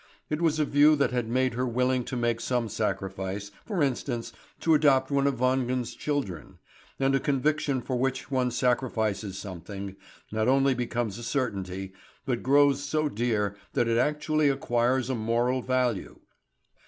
It was a view that had made her willing to make some sacrifice, for instance, to adopt one of Wangen's children; and a conviction for which one sacrifices something, not only becomes a certainty, but grows so dear that it actually acquires a moral value.